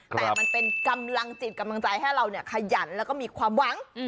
แต่มันเป็นกำลังจิตกำลังใจให้เราขยันแล้วก็มีความหวัง